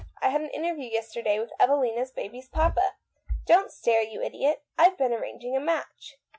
I had an interview yesterday with Evelina's baby's papa. Don't stare, you idiot. I've been arranging a match."